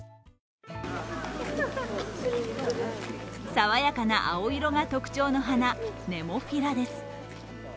さわやかな青色が特徴の花、ネモフィラです。